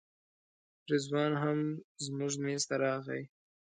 رضوان هم زموږ میز ته راغی.